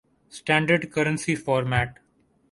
standard currency format